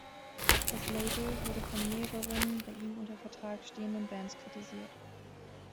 Das Label wurde von mehreren bei ihm unter Vertrag stehenden Bands kritisiert.